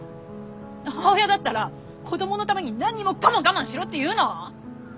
母親だったら子供のために何もかも我慢しろっていうの？